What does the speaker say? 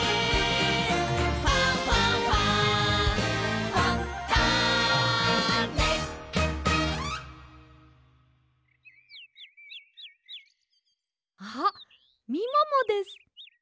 「ファンファンファン」あっみももです。